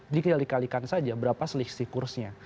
jadi dikalikan saja berapa selisih kursenya